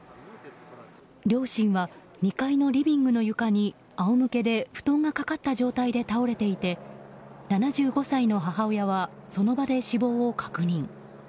両親は２階のリビングの床に仰向けで布団がかかった状態で倒れていて７５歳の母親はその場で死亡を確認。